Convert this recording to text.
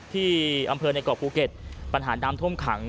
ที่อำเภอในเกาะภูเก็ตปัญหาน้ำท่วมขัง